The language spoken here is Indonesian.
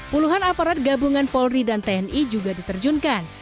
puluhan aparat gabungan polri dan tni juga diterjunkan